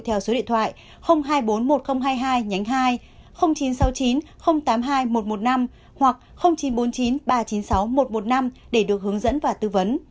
theo số điện thoại hai trăm bốn mươi một nghìn hai mươi hai nhánh hai chín trăm sáu mươi chín tám mươi hai một trăm một mươi năm hoặc chín trăm bốn mươi chín ba trăm chín mươi sáu một trăm một mươi năm để được hướng dẫn và tư vấn